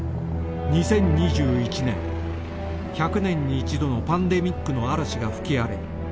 ２０２１年１００年に一度のパンデミックの嵐が吹き荒れ